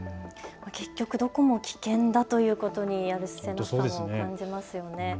結局、どこも危険だということにやるせなさも感じますよね。